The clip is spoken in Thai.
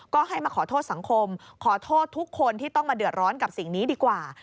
ก็ให้มาขอโทษสังคมขอโทษทุกคนที่ต้องมาเดือดร้อนกับสิ่งนี้ดีกว่า